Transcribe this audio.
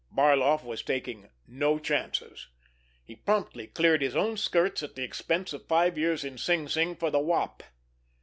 Barloff was taking no chances. He promptly cleared his own skirts at the expense of five years in Sing Sing for the Wop.